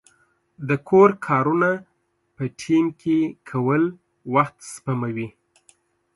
د کور کارونه په ټیم کې کول وخت سپموي.